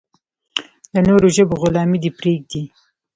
د نورو ژبو غلامي دې پرېږدي.